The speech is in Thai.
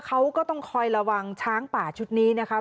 เขาก็ต้องคอยระวังช้างป่าชุดนี้นะคะ